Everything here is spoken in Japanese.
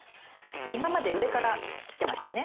今まで上から切ってましたよね